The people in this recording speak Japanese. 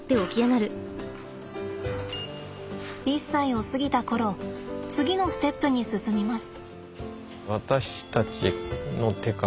１歳を過ぎた頃次のステップに進みます。